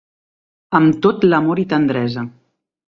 Amb tot l’amor i tendresa.